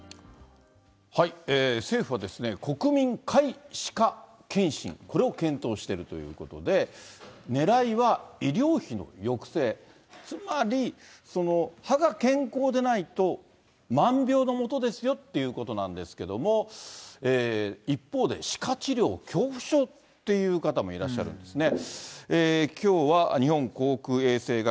政府はですね、国民皆歯科健診、これを検討しているということで、ねらいは医療費の抑制、つまり、歯が健康でないと、万病のもとですよということなんですけれども、一方で、歯科治療恐怖症っていう方もいらっしゃるんですね。